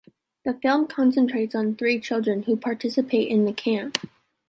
The film concentrates on three children, who participate in the camp.